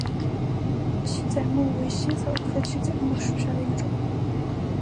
鸡仔木为茜草科鸡仔木属下的一个种。